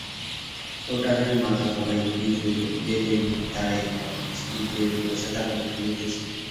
উঠানের মাচাতলায় বিধু জেলেনি দাঁড়াইয়া মাছ বিক্রয়ের পয়সা তাগাদা করিতেছে।